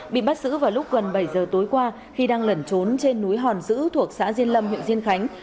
bị bắt giữ vào lúc gần bảy giờ tối qua khi đang lẩn trốn trên núi hòn dữ thuộc xã diên lâm huyện diên khánh